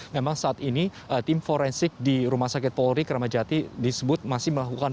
memang saat ini tim forensik di rumah sakit polri kramajati disebut masih melakukan